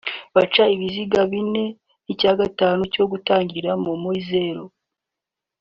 baca ibiziga bine n’icya gatanu cyo gutangiriramo (muri zeru)